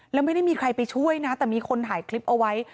แล้วไม่ได้มีใครไปช่วยนะแต่มีคนถ่ายคลิปเอาไว้